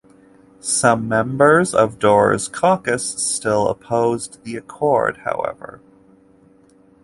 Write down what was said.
Some members of Doer's caucus still opposed the accord, however.